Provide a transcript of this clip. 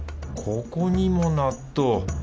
ここにも納豆。